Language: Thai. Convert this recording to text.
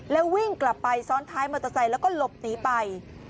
แล้ววิ่งกลับไปซ้อนท้ายมอเตอร์ไซค์แล้วก็หลบหนีไป